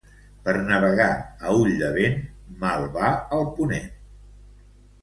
Per navegar a ull de vent mal va el ponent.